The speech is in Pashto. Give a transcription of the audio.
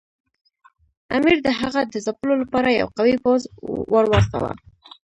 امیر د هغه د ځپلو لپاره یو قوي پوځ ورواستاوه.